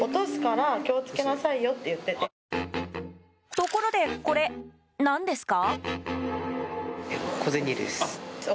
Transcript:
ところでこれ、何ですか？